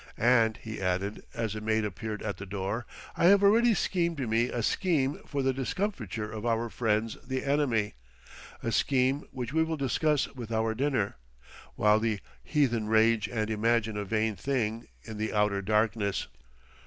"And," he added, as a maid appeared at the door, "I have already schemed me a scheme for the discomfiture of our friends the enemy: a scheme which we will discuss with our dinner, while the heathen rage and imagine a vain thing, in the outer darkness."